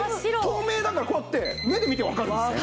透明だからこうやって目で見てわかるんですね。